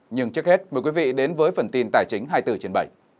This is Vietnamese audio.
nhưng trước hết mời quý vị đến với phần tin tài chính hai mươi bốn trên bảy